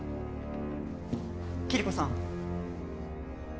キリコさん